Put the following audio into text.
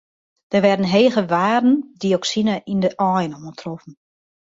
Der waarden hege wearden dioksine yn de aaien oantroffen.